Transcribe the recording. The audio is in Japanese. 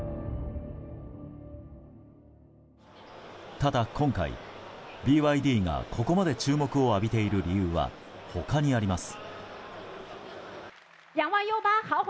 ただ今回、ＢＹＤがここまで注目を浴びている理由は他にあります。